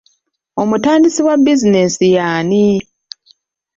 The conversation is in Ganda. Omutandisi wa bizinensi y'ani?